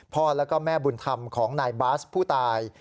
พ่อแล้วก็แม่บุญธรรมของนายบาสผู้ตาย